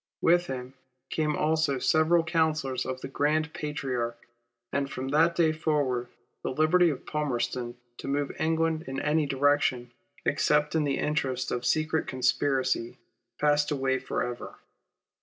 With him came also several counsellors of the " Grand Patriarch," and from that day forward the liberty of Palmerston to move England in any direction, except in the interest of the secret conspiracy, passed away for ever.